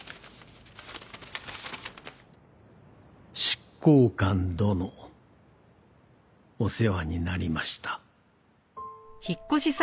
「執行官殿」「御世話になりました」